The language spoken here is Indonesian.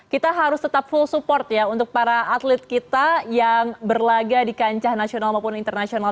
kita harus tetap full support ya untuk para atlet kita yang berlaga di kancah nasional maupun internasional